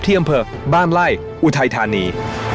อำเภอบ้านไล่อุทัยธานี